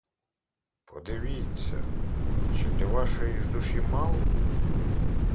Подивіться, чи для вашої ж душі мало?